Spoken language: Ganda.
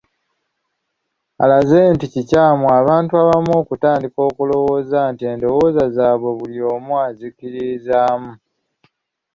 Alaze nti kikyamu abantu abamu okutandika okulowooza nti endowooza zaabwe buli omu azikkiririzaamu.